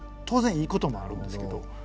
当然いいこともあるんですけど。